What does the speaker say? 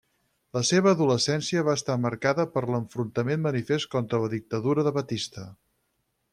La seva adolescència va estar marcada per l'enfrontament manifest contra la dictadura de Batista.